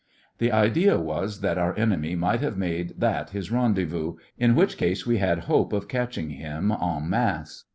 The idea was that our enemy might have made this his rendezvous, in which case we had hope of catching him en masse.